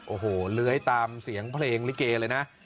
โอ้โหเลื้อยตามเสียงเพลงลิเกเลยนะ